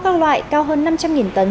các loại cao hơn năm trăm linh tấn